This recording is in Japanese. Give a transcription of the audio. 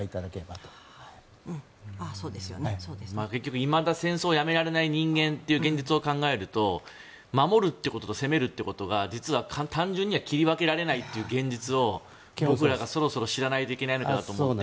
いまだ戦争をやめられない人間という現実を考えると守るということと責めるということが実は単純には切り分けられないという現実を今日僕らがそろそろ知らないといけないのかなと思って。